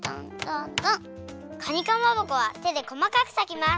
かにかまぼこはてでこまかくさきます。